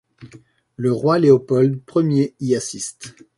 Le roi Léopold Ier y assiste.